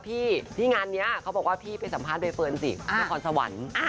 พี่งานนี้บอกว่าไปสัมภัฐใบเฟิร์นสิดิน้องคอร์สวรรค์